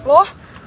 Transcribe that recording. suara gue kayak gini